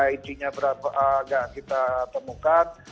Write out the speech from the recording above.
intinya berapa tidak kita temukan